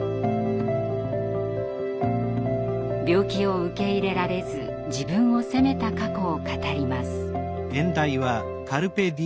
病気を受け入れられず自分を責めた過去を語ります。